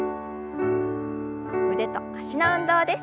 腕と脚の運動です。